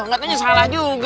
gak tanya salah juga